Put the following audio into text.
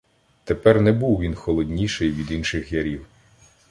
Тепер не був він холодніший від інших ярів.